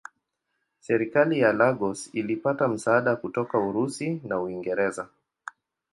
Serikali ya Lagos ilipata msaada kutoka Urusi na Uingereza.